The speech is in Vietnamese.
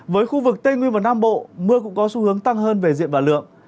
với khu vực tây nguyên và nam bộ mưa cũng có xu hướng tăng hơn về diện và lượng